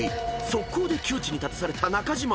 速攻で窮地に立たされた中島］